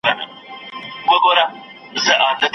د خُم له زخمي زړه مو د مُغان ویني څڅېږي